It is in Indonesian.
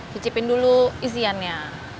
cicipin dulu isiannya